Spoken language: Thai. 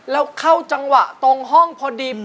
แล้วเข้าจังหวะตรงห้องพอดี